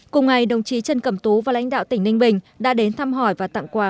cùng ngày đồng chí trần cẩm tú và lãnh đạo tỉnh ninh bình đã đến thăm hỏi và tặng quà